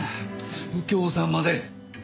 右京さんまで！